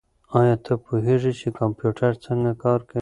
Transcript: ایا ته پوهېږې چې کمپیوټر څنګه کار کوي؟